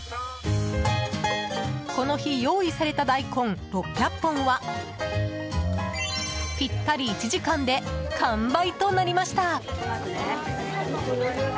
この日用意された大根６００本はぴったり１時間で完売となりました。